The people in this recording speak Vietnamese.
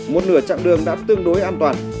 một nửa chặng đường đã tương đối an toàn